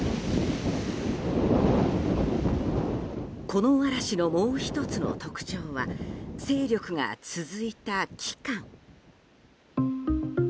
この嵐の、もう１つの特徴が勢力が続いた期間。